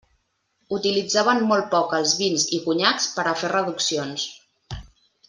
Utilitzaven molt poc els vins i conyacs per a fer reduccions.